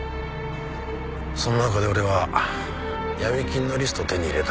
その中で俺は闇金のリストを手に入れた。